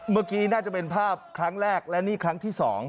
เมื่อกี้น่าจะเป็นภาพครั้งแรกและนี่ครั้งที่๒